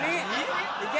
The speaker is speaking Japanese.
いけ！